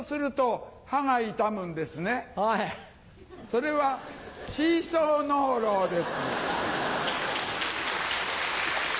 それはシーソーノウロウです。